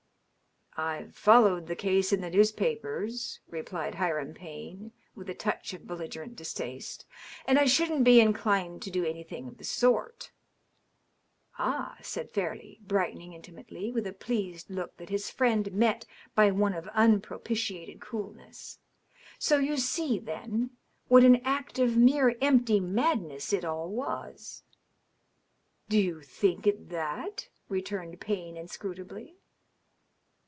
" IVe followed the case in the newspapers," rq)lied Hiram Payne, with a touch of belligerent distaste. "And I shouldn't be inclined to do anything of the sort." " Ah," said Fairleigh, brightening intimately, with a pleased look that his friend met by one of unpropitiated coolness. " So you see, then, what an act of mere empty madness it all was." "Do you think it that?" returned Payne inscrutably.